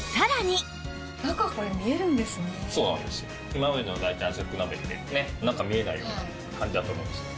今までの大体圧力鍋って中見えないような感じだと思うんですけど。